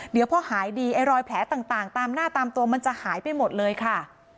เดี๋ยวพอหายดีไอ้รอยแผลต่างตามหน้าตามตัวมันจะหายไปหมดเลยค่ะ